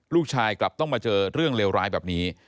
ลูกชายกลับต้องมาเจอเรื่องเลวร้ายแบบนี้